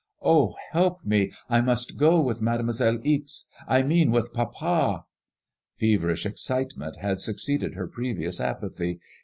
Oh, help me! T must go with Mademoiselle Ixe — I mean with papa." Feverish excitement had suc ceeded her previous apathy.